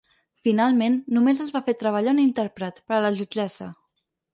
Finalment, només es va fer treballar un intèrpret, per a la jutgessa.